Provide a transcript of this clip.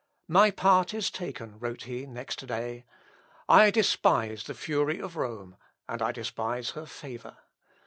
"My part is taken," wrote he next day. "I despise the fury of Rome, and I despise her favour.